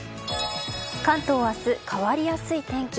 関東明日変わりやすい天気。